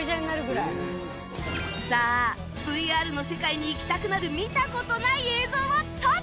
さあ ＶＲ の世界に行きたくなる見た事ない映像を撮ってくれ！